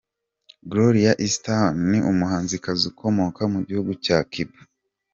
Gloria Estefan, ni umuhanzikazi ukomoka mu gihugu cya Cuba.